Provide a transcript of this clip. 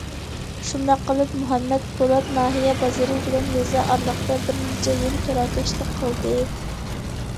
شۇنداق قىلىپ مۇھەممەد پولات ناھىيە بازىرى بىلەن يېزا ئارىلىقىدا بىر نەچچە يىل كىراكەشلىك قىلدى.